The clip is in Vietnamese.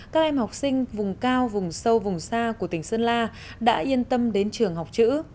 các em học sinh vùng cao vùng sâu vùng xa của tỉnh sơn la đã yên tâm đến trường học chữ